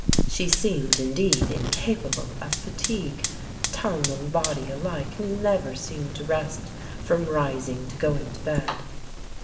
She seemed indeed incapable of fatigue. Tongue and body alike never seemed to rest, from rising to going to bed.